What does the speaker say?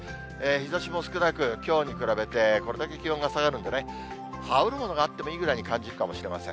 日ざしも少なく、きょうに比べてこれだけ気温が下がるんでね、羽織るものがあってもいいぐらいに感じるかもしれません。